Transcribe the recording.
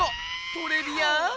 トレビアン！